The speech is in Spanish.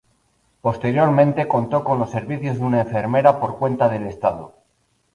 Posteriormente contó con los servicios de una enfermera por cuenta del Estado.